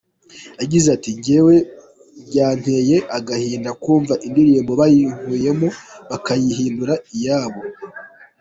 Yagize ati “Njyewe byanteye agahinda kumva indirimbo bayinkuyemo bakayihindura iyabo.